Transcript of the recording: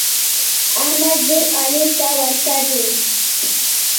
احمد ډېر علي ته ورته دی.